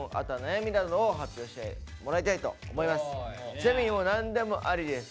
ちなみにもう何でもありです。